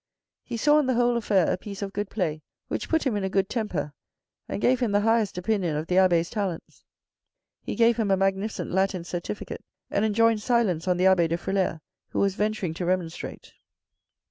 He saw in the whole affair a piece of good play which put him in a good temper and gave him the highest opinion of the abbe's talents. He gave him a magnificent Latin certificate, and enjoined silence on the abbe de Frilair, who was venturing to re monstrate.